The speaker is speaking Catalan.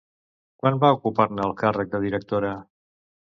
Quan va ocupar-ne el càrrec de directora?